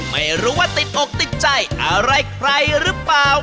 ไม่รู้ว่าติดอกติดใจอะไรใครหรือเปล่า